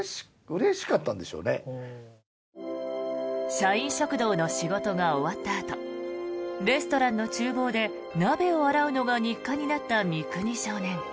社員食堂の仕事が終わったあとレストランの厨房で鍋を洗うのが日課になった三國少年。